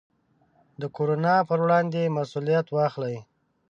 د کورونا پر وړاندې مسوولیت واخلئ.